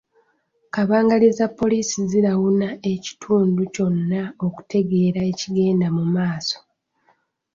Kabangali za poliisi zirawuna ekitundu kyonna okutegeera ekigenda mu maaso.